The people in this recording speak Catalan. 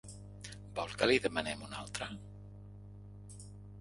Vol que li demanem una altra?